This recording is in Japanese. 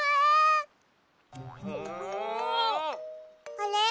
あれ？